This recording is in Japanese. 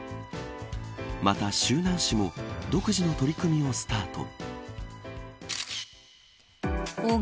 また周南市も、独自の取り組みをスタート。